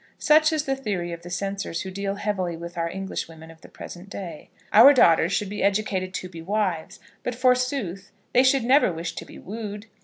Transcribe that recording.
Such is the theory of the censors who deal heavily with our Englishwomen of the present day. Our daughters should be educated to be wives, but, forsooth, they should never wish to be wooed!